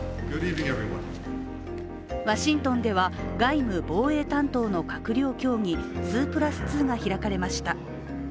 ワシントンでは外務・防衛担当の閣僚協議、２＋２が開かれました。